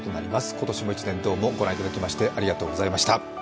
今年も一年、どうもご覧いただきまして、ありがとうございました。